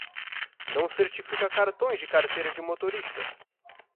Não certifica cartões de carteira de motorista.